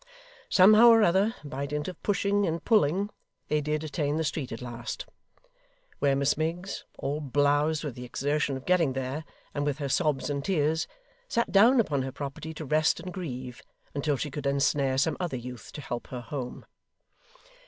Somehow or other, by dint of pushing and pulling, they did attain the street at last; where Miss Miggs, all blowzed with the exertion of getting there, and with her sobs and tears, sat down upon her property to rest and grieve, until she could ensnare some other youth to help her home.